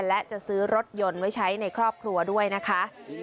และจะซื้อรถยนต์ไว้ใช้ในครอบครัวด้วยนะคะ